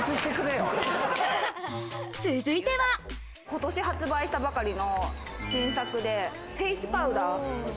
今年発売したばかりの新作で、フェイスパウダー。